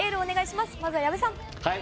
まずは矢部さん。